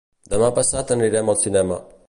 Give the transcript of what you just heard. Demà passat anirem al cinema.